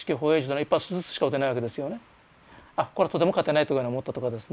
あこれはとても勝てないというふうに思ったとかですね